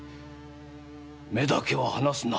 目だけは離すな。